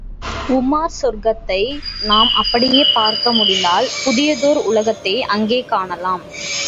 உமார் சொர்க்கத்தை நாம் அப்படியே பார்க்க முடிந்தால் புதியதோர் உலகத்தை அங்கே காணலாம்.